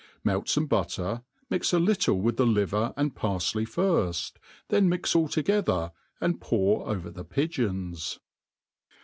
Melc fomc butter, mix a little with the liver and parfley fifft; then, iiiix all together, and pour over the pigeons.